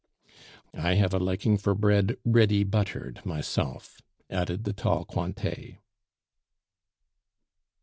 "I have a liking for bread ready buttered myself," added the tall Cointet.